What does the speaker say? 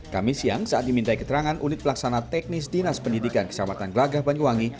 kami siang saat dimintai keterangan unit pelaksana teknis dinas pendidikan kecamatan gelagah banyuwangi